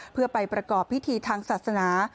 เพื่อไปประกอบพิธีทางศาสนา